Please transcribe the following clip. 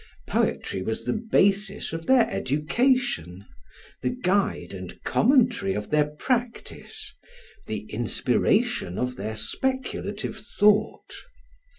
Poetry was the basis of their education, the guide and commentary of their practice, the inspiration of their speculative thought.